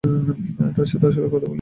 তার সাথে আসলে কথা বলি না।